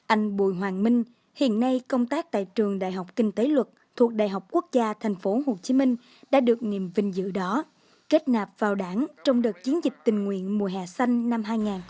anh bùi hoàng minh hiện nay công tác tại trường đại học kinh tế luật thuộc đại học quốc gia tp hcm đã được niềm vinh dự đó kết nạp vào đảng trong đợt chiến dịch tình nguyện mùa hè xanh năm hai nghìn một mươi tám